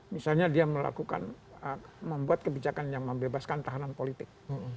misalnya dia melakukan membuat kebijakan yang membebaskan tahanan politik